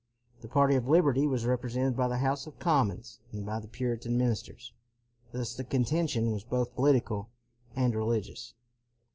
The party of liberty was represented by the House of Commons, and by the Puritan ministers. Thus the contention was both political and religious.